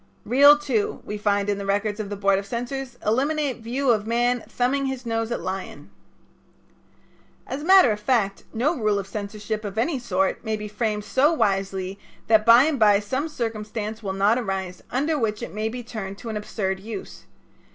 "Reel Two" we find in the records of the Board of Censors "eliminate view of man thumbing his nose at lion." As a matter of fact, no rule of censorship of any sort may be framed so wisely that by and by some circumstance will not arise under which it may be turned to an absurd use.